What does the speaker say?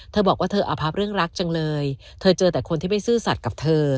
บอกว่าเธออพับเรื่องรักจังเลยเธอเจอแต่คนที่ไม่ซื่อสัตว์กับเธอ